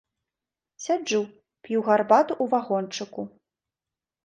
Сяджу, п'ю гарбату у вагончыку.